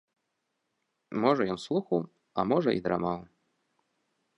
Можа ён слухаў, а можа і драмаў.